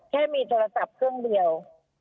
แค่มีโทรศัพท์เครื่องเดียว